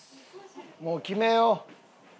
もう決めよう！